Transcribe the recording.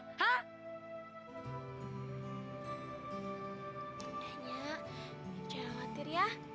udah nya jangan khawatir ya